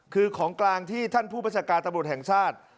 คือของกลางที่ท่านผู้ประชาการตำรวจแห่งชาติ